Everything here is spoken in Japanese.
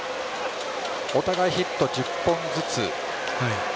お互いヒット１０本ずつ。